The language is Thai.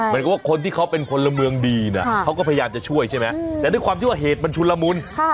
เหมือนกับว่าคนที่เขาเป็นพลเมืองดีนะเขาก็พยายามจะช่วยใช่ไหมแต่ด้วยความที่ว่าเหตุมันชุนละมุน